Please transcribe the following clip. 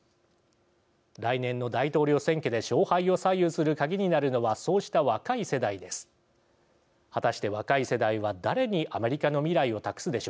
来年の大統領選挙で勝敗を左右する鍵になるのはそうした若い世代です。